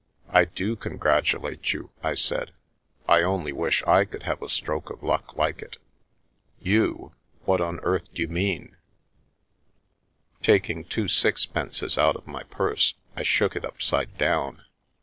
"I do congratulate you," I said. "I only wish I could have a stroke of luck like it !" You ! What on earth d'you mean ?" xuu London River Taking two sixpences out of my purse, I shook it upside down.